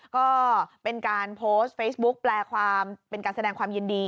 ก็เป็นการโพสต์เฟซบุ๊กแปลความเป็นการแสดงความยินดี